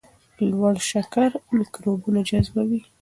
لوړ شکر میکروبونه جذبوي.